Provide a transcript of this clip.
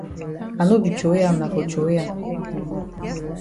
I no be throwey am na for throwey am.